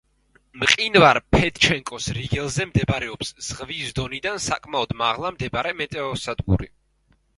მყინვარ ფედჩენკოს რიგელზე მდებარეობს ზღვის დონიდან საკმაოდ მაღლა მდებარე მეტეოსადგური.